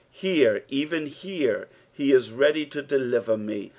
Here, even liere, ha is, rend; to deliver me.